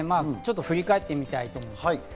振り返りたいと思います。